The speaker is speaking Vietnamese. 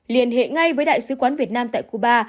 liên hệ ngay với đại sứ quán việt nam tại cuba